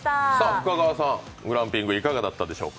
深川さん、グランピングいかがだったでしょうか。